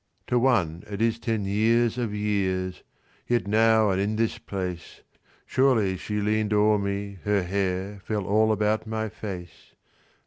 (To one, it is ten years of years.…Yet now, and in this place, Surely she lean'd o'er me—her hairFell all about my face.